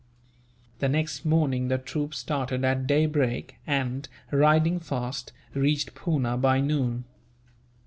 The next morning the troop started at daybreak and, riding fast, reached Poona by noon.